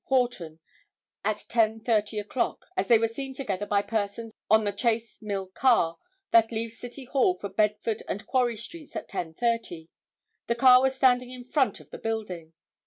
Horton at 10:30 o'clock, as they were seen together by persons on the Chace Mill car that leaves City Hall for Bedford and Quarry streets at 10:30. The car was standing in front of the building.